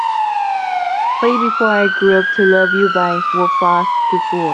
Play Before I Grew Up To Love You by Wafah Dufour